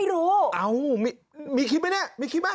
ไม่รู้เอ้ามีคลิปไหมเนี่ย